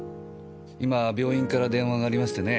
今病院から電話がありましてね